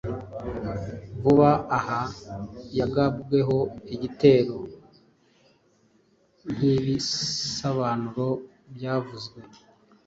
Vuba aha yagabweho igitero Nkibisobanuro byavuzwe